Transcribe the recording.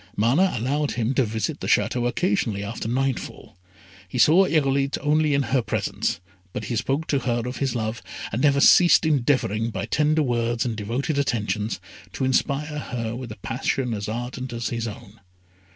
Mana allowed him to visit the Château occasionally after nightfall. He saw Irolite only in her presence, but he spoke to her of his love, and never ceased endeavouring, by tender words and devoted attentions, to inspire her with a passion as ardent as his own.